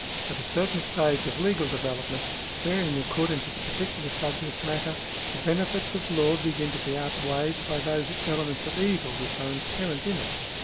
At a certain stage of legal development, varying according to the particular subject matter, the benefits of law begin to be outweighed by those elements of evil which are inherent in it.